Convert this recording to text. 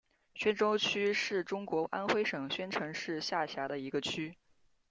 宣州区是中国安徽省宣城市下辖的一个区。